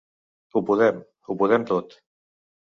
Ho podem, ho podem tot!